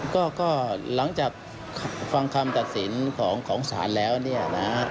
ก็หลังจากฟังคำตัดสินของศาลแล้วเนี่ยนะฮะ